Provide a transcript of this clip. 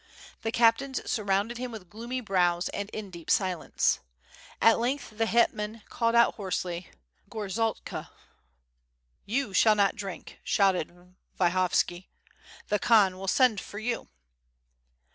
The cap tains surrounded him with gloomy brows and in deep silence. At length the hetman called out hoarsely: "Gorzalka!" "You shall not drink," shouted Vyhovski, "the Khan will send for you."